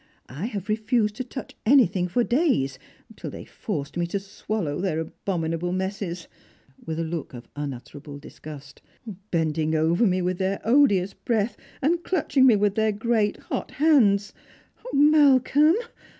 I have refused to touch anything for days, till they forced me to swallow their abominable messes," with a look of unutterable disgust, " bend ing over me with their odious breath, and clutching me with their great hot hands. Malcolm